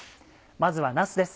まずはなすです